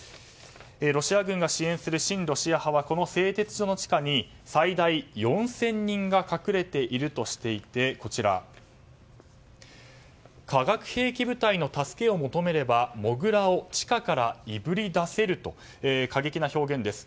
ロシア軍が支援する親ロシア派はこの製鉄所の地下に最大４０００人が隠れているとしていて化学兵器部隊の助けを求めればモグラを地下からいぶりだせると過激な表現です。